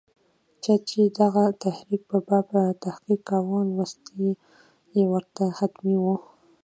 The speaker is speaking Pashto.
چا چې د دغه تحریک په باب تحقیق کاوه، لوستل یې ورته حتمي وو.